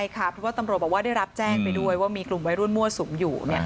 แล้วก็ได้รับแจ้งไปด้วยว่ามีกลุ่มไว้ร่วนมั่วสุมอยู่